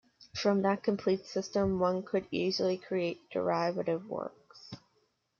From that complete system one could easily create derivative works.